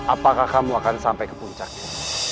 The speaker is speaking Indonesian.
apakah kamu akan sampai ke puncak ini